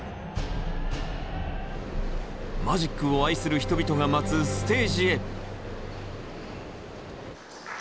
マジックを愛する人々が待つステージへ。